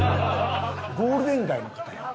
ゴールデン街の方やん。